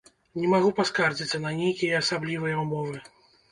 Не магу паскардзіцца на нейкія асаблівыя ўмовы.